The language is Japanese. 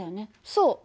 そう。